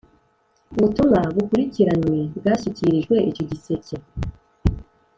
Ubutumwa bukurikiranywe bwashyikiririjwe icyo gisseke